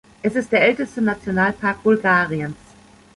Es ist der älteste Nationalpark Bulgariens.